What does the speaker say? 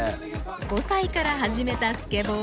５歳から始めたスケボー。